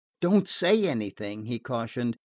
"Don't say anything," he cautioned.